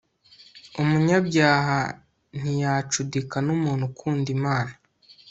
umunyabyaha ntiyacudika n'umuntu ukunda imana